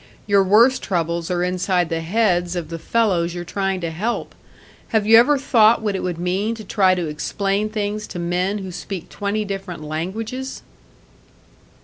Your worst troubles are inside the heads of the fellows you're trying to help! Have you ever thought what it would mean to try to explain things to men who speak twenty different languages?"